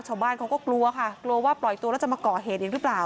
ชาวบ้านเขาก็กลัวค่ะกลัวว่าปล่อยตัวแล้วจะมาก่อเหตุอีกหรือเปล่า